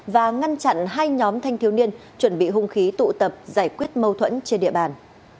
và ngăn chặn hai nhóm thanh thiếu niên chuẩn bị hung khí tụ tập giải quyết mâu thuẫn trên địa bàn